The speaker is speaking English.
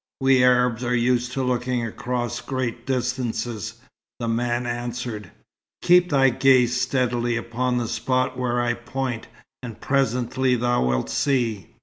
"We Arabs are used to looking across great distances," the man answered. "Keep thy gaze steadily upon the spot where I point, and presently thou wilt see."